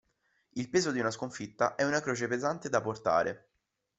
Il peso di una sconfitta è una croce pesante da portare.